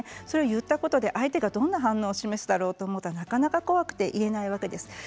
それを言ったことで相手がどんな反応を示すだろうと思ったらなかなか怖くて言えないわけです。